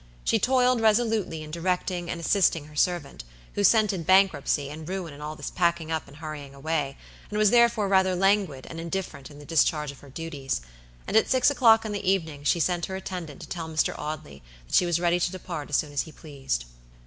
She toiled resolutely in directing and assisting her servant, who scented bankruptcy and ruin in all this packing up and hurrying away, and was therefore rather languid and indifferent in the discharge of her duties; and at six o'clock in the evening she sent her attendant to tell Mr. Audley that she was ready to depart as soon as he pleased.